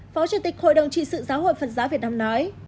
phó chủ tịch hội đồng trị sự giáo hội phật giáo việt nam nói